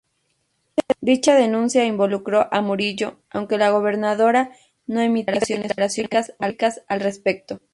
Dicha denuncia involucró a Murillo aunque la gobernadora no emitió declaraciones públicas al respecto.